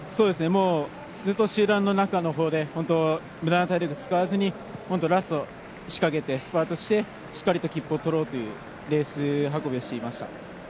ずっと集団の中の方で無駄な体力使わずに、ラスト仕掛けてスパートして、しっかり切符を取ろうというレース運びをしていました。